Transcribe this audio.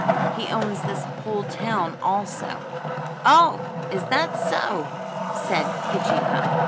He owns this whole town, also." "Oho! Is that so?" said Keejeepaa.